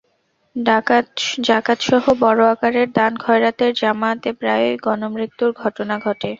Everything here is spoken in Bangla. জাকাতসহ বড় আকারের দান খয়রাতের জমায়েতে প্রায়ই গণমৃত্যুর ঘটনা ঘটে।